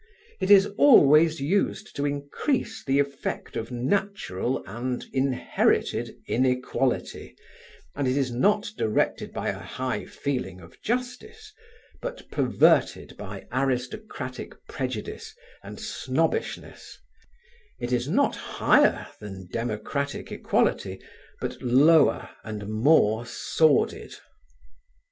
It is always used to increase the effect of natural and inherited inequality, and it is not directed by a high feeling of justice; but perverted by aristocratic prejudice and snobbishness; it is not higher than democratic equality, but lower and more sordid.